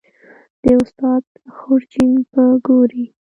د استاد خورجین به ګورې